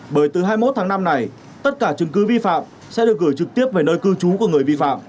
bởi từ hai mươi một tháng năm này tất cả chứng cứ vi phạm sẽ được gửi trực tiếp về nơi cư trú của người vi phạm